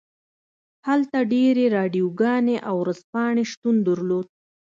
هلته ډیرې راډیوګانې او ورځپاڼې شتون درلود